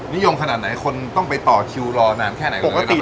นิยมขนาดไหนคนต้องไปต่อคิวรอนานแค่ไหนกันเลยนะประมาณนั้น